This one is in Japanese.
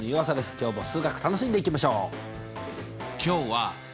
今日も数学楽しんでいきましょう。